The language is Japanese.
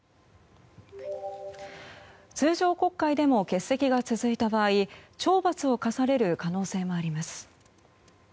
通常国会でも欠席が続いた場合懲罰を科される可能性もあります。